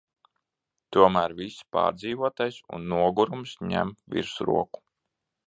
Tomēr viss pārdzīvotais un nogurums ņem virsroku.